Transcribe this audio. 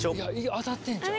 当たってんちゃう？